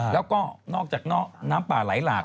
แล้วก็นอกจากน้ำป่าไหลหลาก